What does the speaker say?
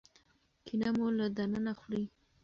کینه مو له دننه خوري.